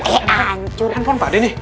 eh ancur handphone pak ade nih